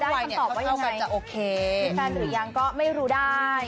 คำตอบว่ายังไงก็เท่ากันจะโอเคมีแฟนหรือยังก็ไม่รู้ได้